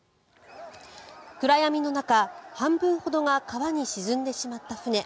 暗闇の中、半分ほどが川に沈んでしまった船。